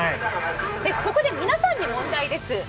ここで皆さんに問題です。